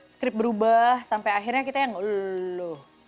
script berubah sampai akhirnya kita yang ngeluh